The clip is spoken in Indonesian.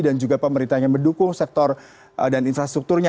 dan juga pemerintah yang mendukung sektor dan infrastrukturnya